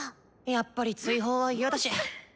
やっぱり追放は嫌だし。